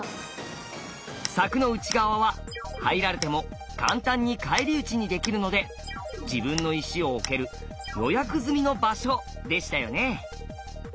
柵の内側は入られても簡単に返り討ちにできるので自分の石を置ける「予約済みの場所」でしたよね。